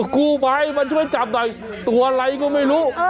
กู้ภัยมาช่วยจับหน่อยตัวอะไรก็ไม่รู้